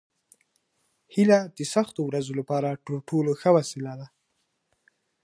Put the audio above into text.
هیله د سختو ورځو لپاره تر ټولو ښه وسله ده.